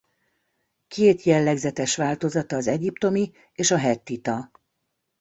Két jellegzetes változata az egyiptomi és a hettita.